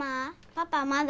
パパまだ？